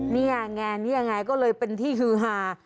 เนี่ยไงก็เลยเป็นที่ฮือหา